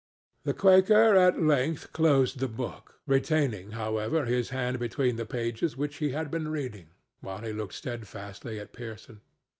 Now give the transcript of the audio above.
The Quaker at length closed the book, retaining, however, his hand between the pages which he had been reading, while he looked steadfastly at Pearson.